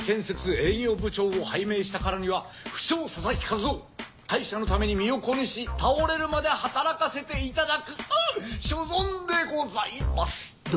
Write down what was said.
営業部長を拝命したからには不肖佐々木和男会社のために身を粉にし倒れるまで働かせていただくあ所存でございます。